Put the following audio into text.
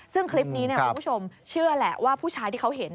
ซึ่งคลิปนี้คุณผู้ชมเชื่อแหละว่าผู้ชายที่เขาเห็น